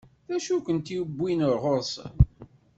D acu i kent-iwwin ɣur-sen?